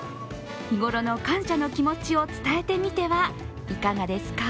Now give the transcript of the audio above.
日頃の感謝の気持ちを伝えてみてはいかがですか？